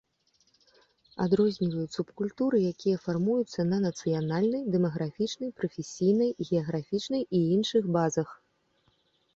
Адрозніваюць субкультуры, якія фармуюцца на нацыянальнай, дэмаграфічнай, прафесійнай, геаграфічнай і іншых базах.